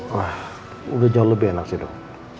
wah udah jauh lebih enak sih dok